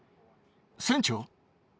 船長？